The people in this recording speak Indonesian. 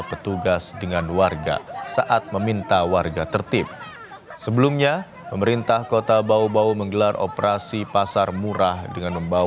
kepala dinas membantah meneriaki pencuri namun meminta warga untuk tertip mengantri